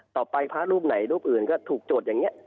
ต่อไปภาพลูกไหนก็ถูกโจทย์อย่างนี้